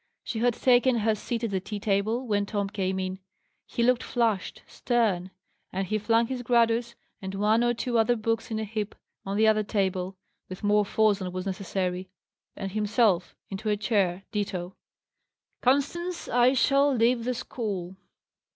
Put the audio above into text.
She had taken her seat at the tea table, when Tom came in. He looked flushed stern; and he flung his Gradus, and one or two other books in a heap, on the side table, with more force than was necessary; and himself into a chair, ditto. "Constance, I shall leave the school!"